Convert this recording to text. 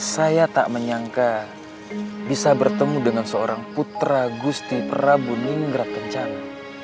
saya tak menyangka bisa bertemu dengan seorang putra gusti prabu ninggra kencana